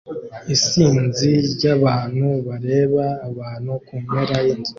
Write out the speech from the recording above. Isinzi ryabantu bareba abantu kumpera yinzu